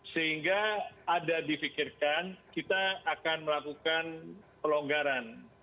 sehingga ada difikirkan kita akan melakukan pelonggaran